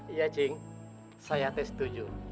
iya cing saya setuju